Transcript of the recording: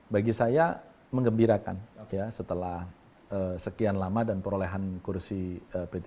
bagi saya mengembirakan setelah sekian lama dan perolehan kursi p tiga